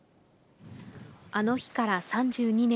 あの日から３２年。